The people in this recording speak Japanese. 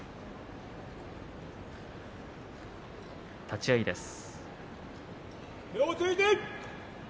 立ち合いです。